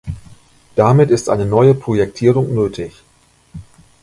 Damit ist eine neue Projektierung nötig.